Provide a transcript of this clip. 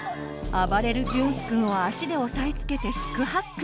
暴れる隼州くんを足で押さえつけて四苦八苦。